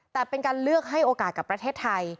แต่เป็นการเลือกให้โอกาสกับประเทศไทย